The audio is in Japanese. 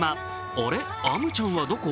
あれ、アムちゃんはどこ？